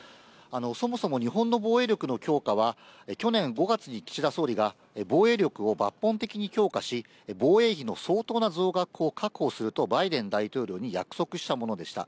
そもそも日本の防衛力の強化は、去年５月に、岸田総理が防衛力を抜本的に強化し、防衛費の相当な増額を確保すると、バイデン大統領に約束したものでした。